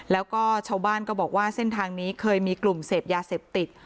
แล้วก็ชาวบ้านก็บอกว่าเส้นทางนี้เคยมีกลุ่มเสพยาเสพติด